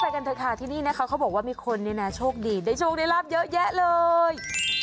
ไปกันเถอะค่ะที่นี่เขาบอกว่ามีคนโชคดีโดยโชคในรับเยอะแยะเลย